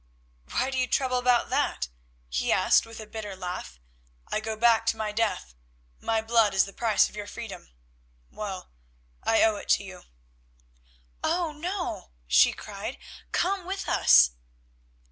"Why do you trouble about that?" he asked with a bitter laugh. "I go back to my death, my blood is the price of your freedom. Well, I owe it to you." "Oh! no," she cried, "come with us."